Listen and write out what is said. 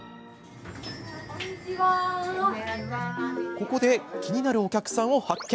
ここで、気になるお客さんを発見。